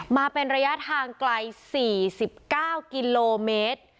มาเป็นระยะทางไกล๔๙กิโลเมตร